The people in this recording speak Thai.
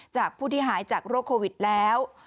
จากผู้ที่หายจากโรคโควิดแล้ว